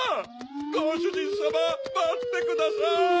ごしゅじんさままってください！